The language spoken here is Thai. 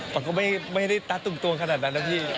มันก็ไม่ได้ตั๊ดตุ่มตวงขนาดนั้นนะพี่